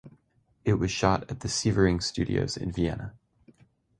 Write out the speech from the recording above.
It was shot at the Sievering Studios in Vienna.